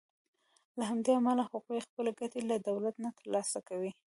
له همدې امله هغوی خپلې ګټې له دولت نه تر لاسه کوي.